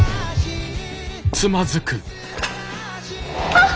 あっ！